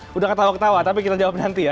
sudah ketawa ketawa tapi kita jawab nanti ya